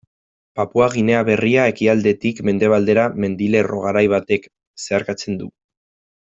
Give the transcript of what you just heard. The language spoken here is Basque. Papua Ginea Berria ekialdetik mendebaldera mendilerro garai batek zeharkatzen du.